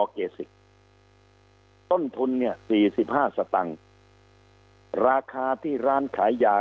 เกสิบต้นทุนเนี่ยสี่สิบห้าสตังค์ราคาที่ร้านขายยา